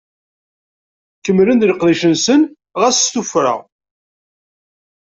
Kemmlen di leqdic-nsen ɣas s tuffra.